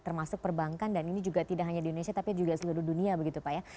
termasuk perbankan dan ini juga tidak hanya di indonesia tapi juga seluruh dunia begitu pak ya